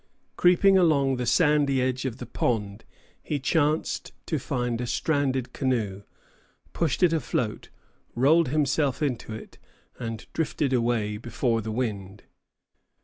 Creeping along the sandy edge of the pond, he chanced to find a stranded canoe, pushed it afloat, rolled himself into it, and drifted away before the wind.